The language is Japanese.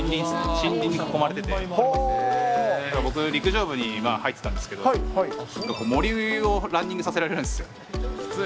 森林に囲まれてて、僕、陸上部に入ってたんですけど、森をランニングさせられるんですよ。きつい。